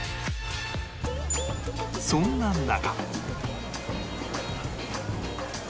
そんな中